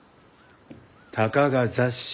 たかが雑誌。